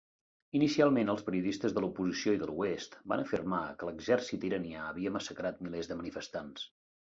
Inicialment, els periodistes de l'oposició i de l'oest van afirmar que l'exèrcit iranià havia massacrat milers de manifestants.